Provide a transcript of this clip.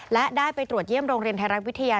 และได้ไปตรวจเยี่ยมโรงเรียนไทยรัฐวิทยา